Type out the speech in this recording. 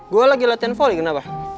gue lagi latihan volley kenapa